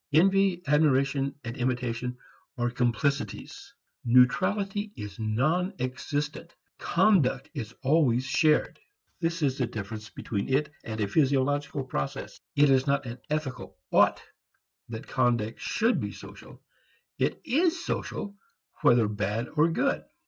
Envy, admiration and imitation are complicities. Neutrality is non existent. Conduct is always shared; this is the difference between it and a physiological process. It is not an ethical "ought" that conduct should be social. It is social, whether bad or good.